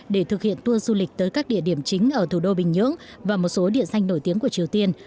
để thực hiện tour du lịch tới các địa điểm chính ở thủ đô bình nhưỡng và một số địa danh nổi tiếng của triều tiên